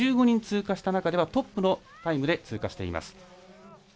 １５人通過した中ではトップのタイムで通過しています。